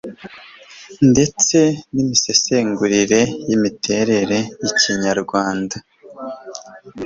ndetse n'imisesengurire y'imiterere y'Ikinyarwanda